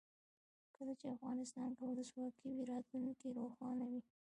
کله چې افغانستان کې ولسواکي وي راتلونکی روښانه وي.